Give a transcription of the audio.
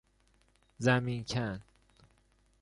زمین کن